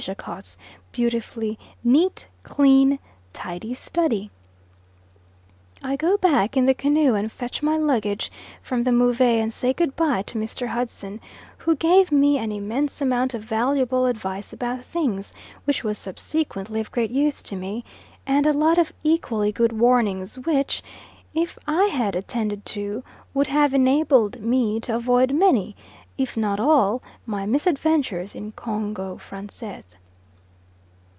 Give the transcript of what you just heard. Jacot's beautifully neat, clean, tidy study. I go back in the canoe and fetch my luggage from the Move; and say good bye to Mr. Hudson, who gave me an immense amount of valuable advice about things, which was subsequently of great use to me, and a lot of equally good warnings which, if I had attended to, would have enabled me to avoid many, if not all, my misadventures in Congo Francais.